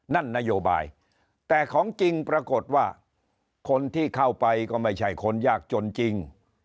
นั่นนโยบายแต่ของจริงปรากฏว่าคนที่เข้าไปก็ไม่ใช่คนยากจนจริง